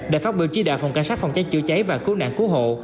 đã phát biểu chỉ đạo phòng cảnh sát phòng cháy chữa cháy và cứu nạn cứu hộ